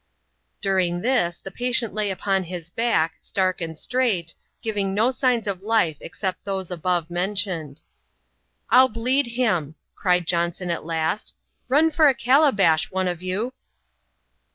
During tbis, tbe patient lay upon bis back, stark and straigbt, giving no signs of life except tbose above mentioned. " ril bleed bim !* cried Jobnson at last — "run for a calabash^ one of you!